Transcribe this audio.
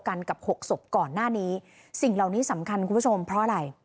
กันกับหกศพก่อนหน้านี้สิ่งเหล่านี้สำคัญคุณผู้ชมเพราะอะไร